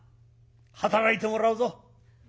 働いてもらうぞ。